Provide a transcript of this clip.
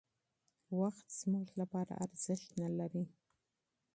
وخت زموږ لپاره ارزښت نهلري.